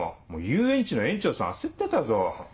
遊園地の園長さん焦ってたぞ。